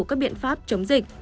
các biện pháp chống dịch